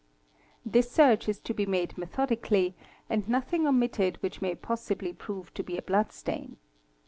This search is te be made methodically and nothing omitted which may possibly prove to be a blood stain.